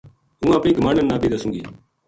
ہوں اپنی گماہنڈن نا بے دسوں گی